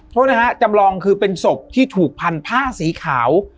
โทษนะฮะจำลองคือเป็นศพที่ถูกพันผ้าสีขาว